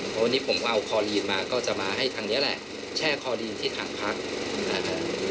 เพราะวันนี้ผมเอาคอลีนมาก็จะมาให้ทางเนี้ยแหละแช่คอลีนที่ถังพักอ่า